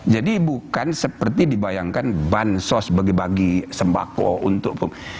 jadi bukan seperti dibayangkan bansos bagi bagi sembako untuk publik